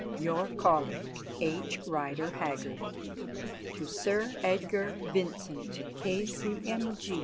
Your colleague, H. Rider Haggard. To Sir Edgar Vincent, K.C.M.